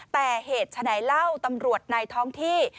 แต่เหตุฉะไหนเล่าตำรวจในท้องที่